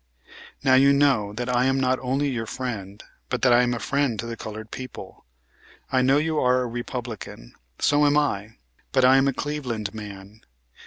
Now, you know that I am not only your friend, but that I am a friend to the colored people. I know you are a Republican. So am I; but I am a Cleveland man.